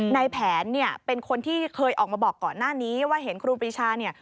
ในแผนเนี่ยเป็นคนที่เคยออกมาบอกก่อนหน้านี้ว่าเห็นครูปรีชาเนี่ย